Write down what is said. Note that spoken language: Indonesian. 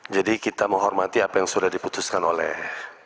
jadi kita menghormati apa yang sudah diputuskan oleh